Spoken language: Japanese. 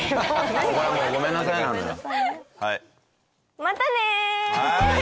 またね！